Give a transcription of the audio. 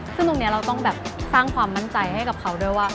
ซึ่งตรงนี้เราต้องแบบสร้างความมั่นใจให้กับเขาด้วยว่า